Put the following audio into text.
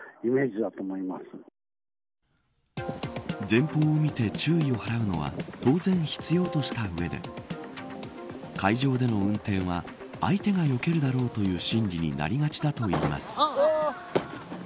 前方を見て注意を払うのは当然必要とした上で海上での運転は相手がよけるだろうという心理になりがちだといいます。